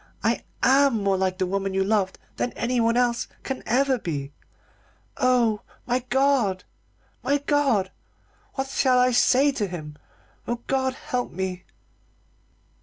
I am more like the woman you loved than anyone else can ever be. Oh, my God! my God! what shall I say to him? Oh, God help me!"